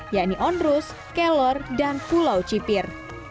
yakni onrus kelor dan pulau cipir